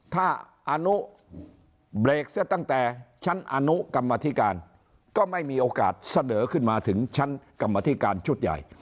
ถ้าอนุเบรกเสียตั้งแต่ชั้นอนุกรรมธิการก็ไม่มีโอกาสเสนอขึ้นมาถึงชั้นกรรมธิการชุดใหญ่